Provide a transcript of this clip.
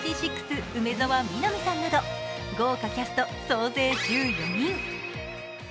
梅澤美波さんなど豪華キャスト総勢１４人。